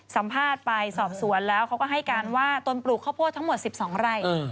สัมภาษณ์ไปสอบสวนแล้วเขาก็ให้การว่าตนปลูกข้าวโพดทั้งหมด๑๒ไร่